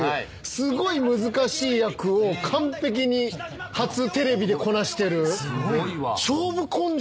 すごい難しい役を完璧に初テレビでこなしてる。